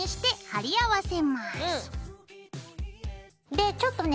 でちょっとね